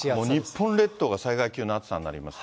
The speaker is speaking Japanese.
日本列島が災害級の暑さになります。